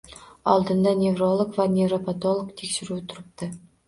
Oldinda nevrolog va nevropatolog tekshiruvi turibdi